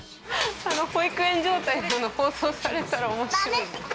あの保育園状態なの放送されたら面白いね。